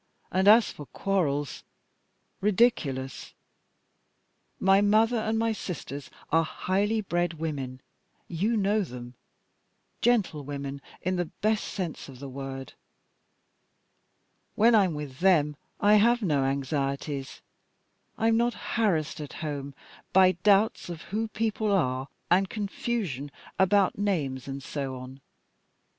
And as for quarrels ridiculous! My mother and my sisters are highly bred women (you know them); gentlewomen, in the best sense of the word. When I am with them I have no anxieties. I am not harassed at home by doubts of who people are, and confusion about names, and so on.